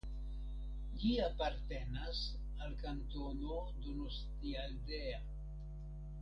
Ĝi apartenas al Kantono Donostialdea.